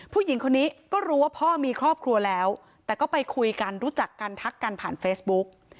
ผู้หญิงคนนี้ก็รู้ว่าพ่อมีครอบครัวแล้วแต่ก็ไปคุยกันรู้จักกันทักกันผ่านเฟซบุ๊ก